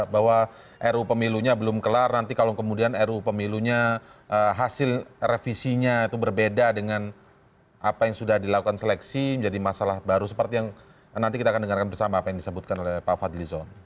bagaimana nanti kalau kemudian ru pemilunya hasil revisinya itu berbeda dengan apa yang sudah dilakukan seleksi menjadi masalah baru seperti yang nanti kita akan dengarkan bersama apa yang disebutkan oleh pak fadlison